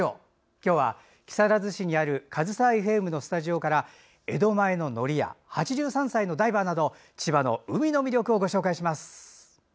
今日は木更津市にあるかずさエフエムのスタジオから江戸前の海苔や８３歳のダイバーなど千葉の海の魅力をご紹介します。